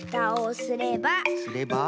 すれば？